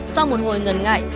sau một hồi ngần ngại